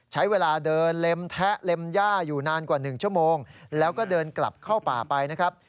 ใช้เวลาเดินเล็มแทะเล็มย่าอยู่นานกว่า๑ชั่วโมงแล้วก็เดินกลับเข้าป่าไปนะครับ